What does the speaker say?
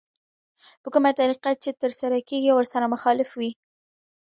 په کومه طريقه چې ترسره کېږي ورسره مخالف وي.